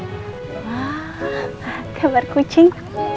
wah kebar kucing